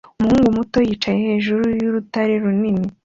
umuhungu muto yicaye hejuru y'urutare runini